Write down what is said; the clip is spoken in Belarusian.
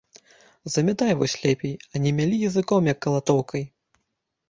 Замятай вось лепей, а не мялі языком, як калатоўкай!